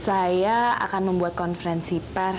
saya akan membuat konferensi pers